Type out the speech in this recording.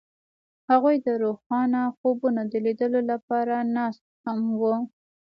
هغوی د روښانه خوبونو د لیدلو لپاره ناست هم وو.